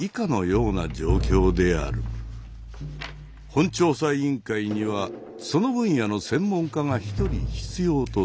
本調査委員会にはその分野の専門家が１人必要とされる。